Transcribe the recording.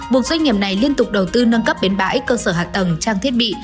buộc doanh nghiệp này liên tục đầu tư nâng cấp bến bãi cơ sở hạ tầng trang thiết bị